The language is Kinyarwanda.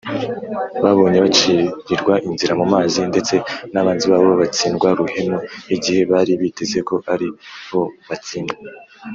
babonye bacirirwa inzira mu mazi ndetse n’abanzi babo batsindwa ruhenu igihe bari biteze ko ari bo batsinda.